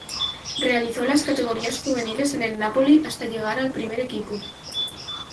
Realizó las categorías juveniles en el Napoli hasta llegar al primer equipo.